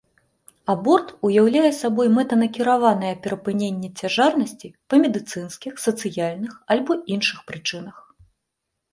Аборт уяўляе сабой мэтанакіраванае перапыненне цяжарнасці па медыцынскіх, сацыяльных альбо іншых прычынах.